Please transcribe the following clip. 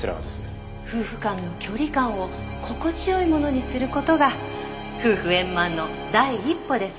「夫婦間の距離感を心地よいものにする事が夫婦円満の第一歩です」